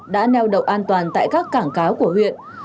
đã neo đậu an toàn tại các cảng cá của huyện